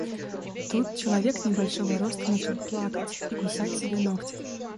Тут человек небольшого роста начал плакать и кусать себе ногти.